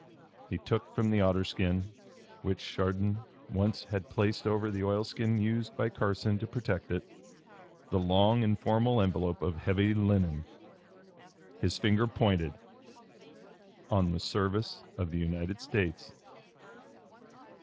He took from the otter skin which Chardon once had placed over the oilskin used by Carson to protect it the long and formal envelope of heavy linen. His finger pointed "On the Service of the United States."